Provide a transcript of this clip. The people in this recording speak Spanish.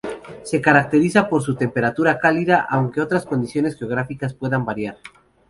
Se caracterizan por su temperatura cálida, aunque otras condiciones geográficas puedan variar.